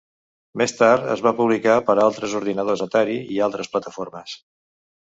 Més tard es va publicar per a altres ordinadors Atari i altres plataformes.